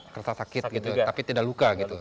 kerasa sakit gitu tapi tidak luka gitu